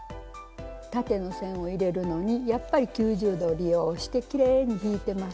縦の線を入れるのにやっぱり９０度を利用してきれいに引いてます。